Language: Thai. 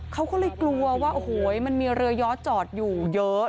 เขาก็เลยกลัวว่าโอ้โหมันมีเรือย้อจอดอยู่เยอะ